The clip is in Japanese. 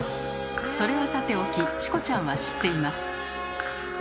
それはさておきチコちゃんは知っています。